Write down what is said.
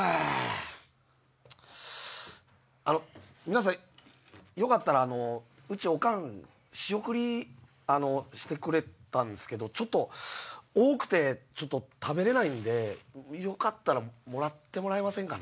皆さんよかったらうちオカン仕送りしてくれたんすけどちょっと多くて食べれないんでよかったらもらってもらえませんかね？